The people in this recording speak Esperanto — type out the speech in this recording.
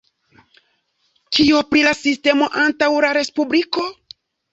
Kio pri la sistemo antaŭ la respubliko?